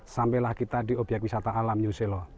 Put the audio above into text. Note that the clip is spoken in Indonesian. sampailah kita di obyek wisata alam new zelo